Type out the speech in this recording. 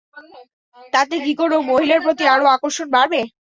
তাতে কি কোন মহিলার প্রতি আরো আকর্ষণ বাড়বে?